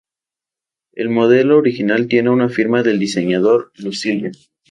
El modelo original tiene una firma del diseñador Lucilio.